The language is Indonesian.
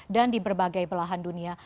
dan di berbagai belahan dunia